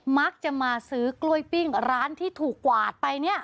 มักจะมาซื้อกล้วยปิ้งร้านที่ถูกกวาดไป